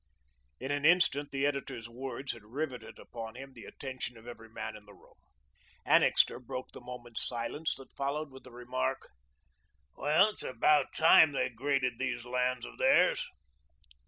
In an instant the editor's words had riveted upon him the attention of every man in the room. Annixter broke the moment's silence that followed with the remark: "Well, it's about time they graded these lands of theirs."